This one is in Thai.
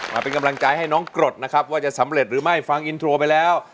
มาเป็นกำลังใจให้น้องกรดนะครับว่าจะสำเร็จหรือไม่ฟังอินโทรไปแล้ว